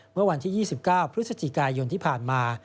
เมื่อวันที่๒๙พฤศจิกายนที่ผ่านมา